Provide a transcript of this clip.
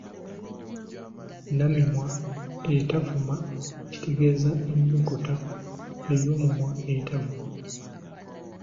Nnamimwa etavuuma kitegeeza ennukuta ey'omumwa etavuuma.